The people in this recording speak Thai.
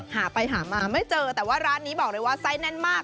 หาไปหามาไม่เจอแต่ว่าร้านนี้บอกเลยว่าไส้แน่นมาก